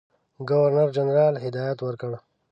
ګورنرجنرال هدایت ورکړ.